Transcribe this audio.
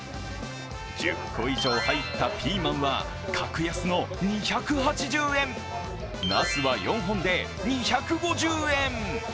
１０個以上入ったピーマンは格安の２８０円、なすは４本で２５０円。